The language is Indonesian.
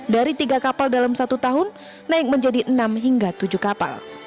dari tiga kapal dalam satu tahun naik menjadi enam hingga tujuh kapal